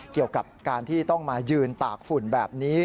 เกี่ยวกับการที่ต้องมายืนตากฝุ่นแบบนี้